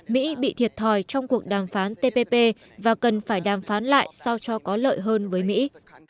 mỹ bị thiệt thòi trong cuộc đàm phán tpp và cần phải đàm phán lại sao cho có lợi hơn với mỹ